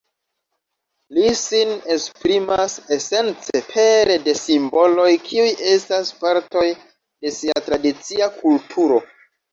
Li sin esprimas esence pere de simboloj kiuj estas partoj de sia tradicia kulturo.